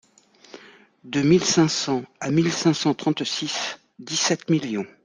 De mille cinq cents à mille cinq cent trente-six, dix-sept millions.